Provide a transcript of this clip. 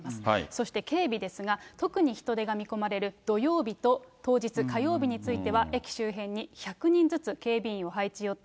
そして警備ですが、特に人出が見込まれる土曜日と、当日火曜日については、駅周辺に１００人ずつ警備員を配置予定。